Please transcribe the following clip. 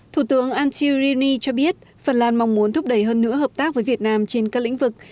thủ tướng antti rini cho biết phần lan mong muốn thúc đẩy hơn nữa hợp tác với việt nam trên các lĩnh vực